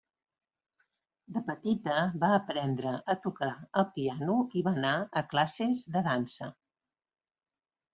De petita va aprendre a tocar el piano i va anar a classes de dansa.